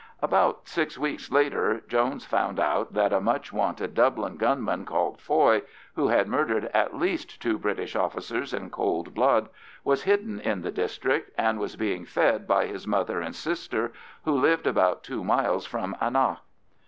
About six weeks later Jones found out that a much wanted Dublin gunman, called Foy, who had murdered at least two British officers in cold blood, was hidden in the district, and was being fed by his mother and sister, who lived about two miles from Annagh.